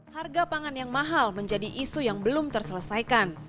harga pangan yang mahal menjadi isu yang belum terselesaikan